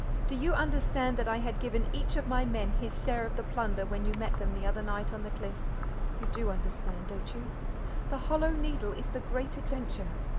Do you understand that I had given each of my men his share of the plunder when you met them the other night on the cliff? You do understand, don't you? The Hollow Needle is the great adventure.